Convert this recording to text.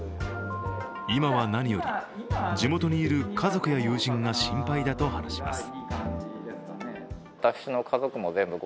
今は、何より地元にいる家族や友人が心配だと話します。